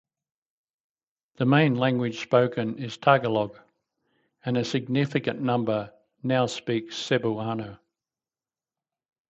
The main language spoken is Tagalog, and a significant number now speaks Cebuano.